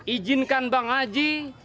ijinkan bang haji